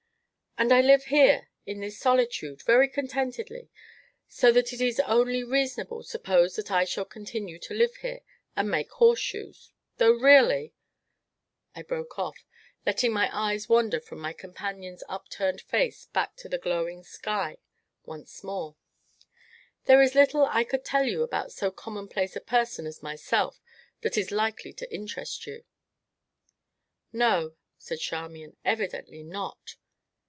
"And I live here, in this solitude, very contentedly; so that it is only reasonable to suppose that I shall continue to live here, and make horseshoes though, really," I broke off, letting my eyes wander from my companion's upturned face back to the glowing sky, once more, "there is little I could tell you about so commonplace a person as myself that is likely to interest you." "No," said Charmian, "evidently not!"